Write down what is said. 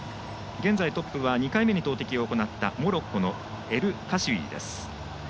現在トップは２回目に投てきを行ったモロッコのエルカシウィーです。